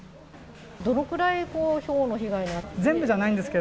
どのくらい、ひょうの被害に遭ったんですか？